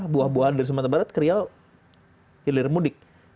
buah buahan dari sumatera barat ke riau hilir mudik